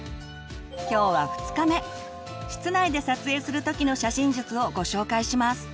今日は２日目室内で撮影する時の写真術をご紹介します。